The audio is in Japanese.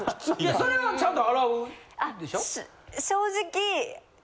それはちゃんと洗うんでしょ？